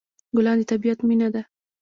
ګلان د طبیعت مینه ده.